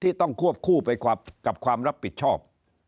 ที่ต้องควบคู่ไปกับความรับผิดชอบ